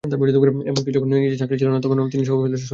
এমনকি যখন নিজের চাকরি ছিল না, তখনো তিনি সহকর্মীদের সহায়তা করেছেন।